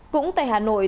cũng tại hà nội